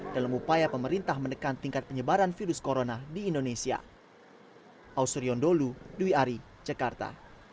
dalam upaya pemerintah menekan tingkat penyebaran virus corona di indonesia